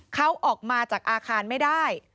เขาออกมาจากอาคารไม่ได้